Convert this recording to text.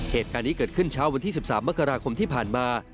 เหตุการณ์นี้เกิดขึ้นเช้าวันที่๑๓มกราคมที่ผ่านมา